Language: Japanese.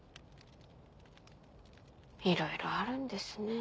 いろいろあるんですね